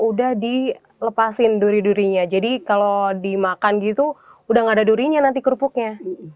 udah dilepasin duri durinya jadi kalau dimakan gitu udah nggak ada durinya nanti kerupuknya